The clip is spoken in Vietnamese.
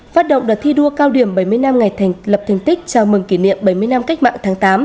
phát động đợt thi đua cao điểm bảy mươi năm ngày thành lập thành tích chào mừng kỷ niệm bảy mươi năm cách mạng tháng tám